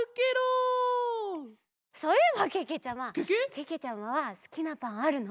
けけちゃまはすきなパンあるの？